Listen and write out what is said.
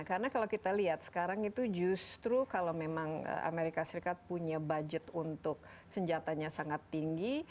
karena kalau kita lihat sekarang itu justru kalau memang amerika serikat punya budget untuk senjatanya sangat tinggi